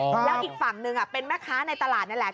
แล้วอีกฝั่งหนึ่งเป็นแม่ค้าในตลาดนี่แหละ